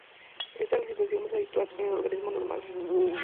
Esta es la situación más habitual en el organismo normal.